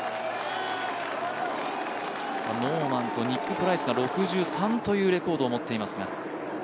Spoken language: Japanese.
ノーマンとニック・プライスが６３というレコードを持っていますが。